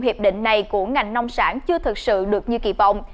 hiệp định này của ngành nông sản chưa thực sự được như kỳ vọng